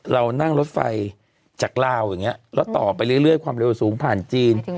เรานั่งรถไฟจากลาวอย่างนี้แล้วต่อไปเรื่อยความเร็วสูงผ่านจีน